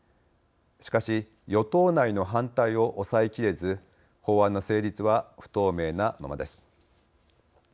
しかし与党内の反対を抑えきれず法案の成立は不透明なままです。